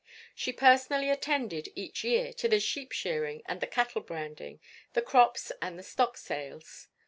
She personally attended, each year, to the sheep shearing and the cattle branding, the crops and the stock sales.